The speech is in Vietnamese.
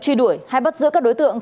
truy đuổi hay bắt giữa các đối tượng